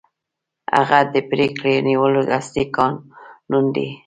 هغه د پرېکړې نیولو اصلي کانون دی.